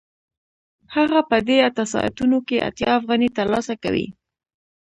هغه په دې اته ساعتونو کې اتیا افغانۍ ترلاسه کوي